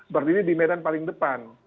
berdiri di medan paling depan